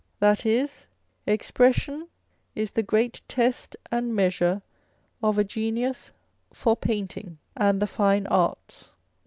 That is, expression is the great test and measure of a genius for painting and the fine arts.